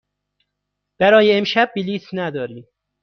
برای امشب بلیط نداریم.